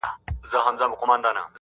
څلوريځه.